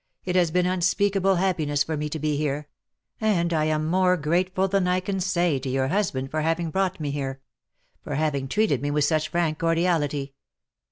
It has been unspeakable happiness for me to be here — and I am more grateful than I can say to your husband for having brought me here — for having treated me with such frank cordiality.